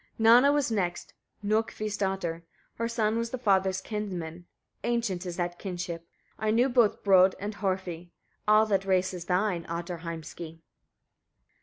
21. Nanna was next, Nokkvi's daughter; her son was thy father's kinsman, ancient is that kinship. I knew both Brodd and Horfi. All that race is thine, Ottar Heimski!